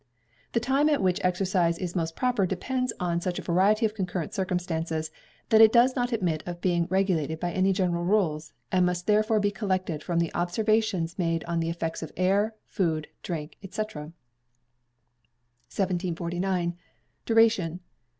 The time at which exercise is most proper depends on such a variety of concurrent circumstances, that it does not admit of being regulated by any general rules, and must therefore be collected from the observations made on the effects of air, food, drink, &c. 1749. Duration.